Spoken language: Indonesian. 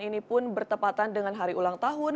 ini pun bertepatan dengan hari ulang tahun